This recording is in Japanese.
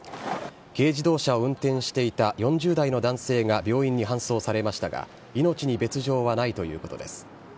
軽自動車を運転していた４０代の男性が病院に搬送されましたが、命に別状はないということです。